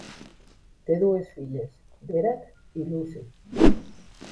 Té dues filles, Deragh i Lucy.